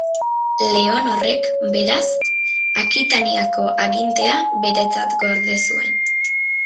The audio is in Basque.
Leonorrek, beraz, Akitaniako agintea beretzat gorde zuen.